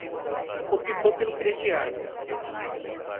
Optou pelo crediário